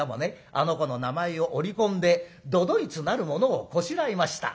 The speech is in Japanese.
あの子の名前を織り込んで都々逸なるものをこしらえました。